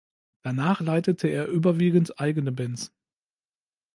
Danach leitete er überwiegend eigene Bands.